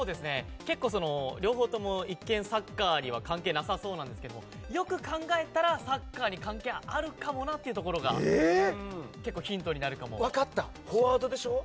両方とも一見サッカーには関係なさそうなんですがよく考えたらサッカーに関係あるかもなってところが分かった、フォワードでしょ？